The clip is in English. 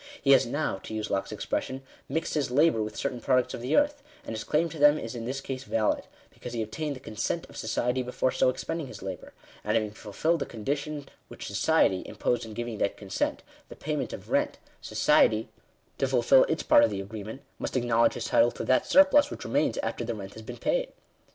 He has now, to use Locke's expression, "mixed his labour with" certain products' of the earth ; and his claim to them is in this case valid, because he obtained the consent of society before so expending his labour ; and having fulfilled the condition which society imposed in giving that consent — the payment of rent, — society, to fulfil its part of the agreement, must acknowledge his title to that surplus which remains after the rent has been paid.